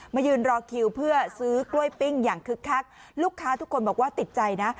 ยืนรอคิวเพื่อซื้อกล้วยปิ้งอย่างคึกคักลูกค้าทุกคนบอกว่าติดใจนะ